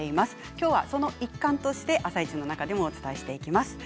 きょうはその一環として「あさイチ」の中でもお伝えしていきます。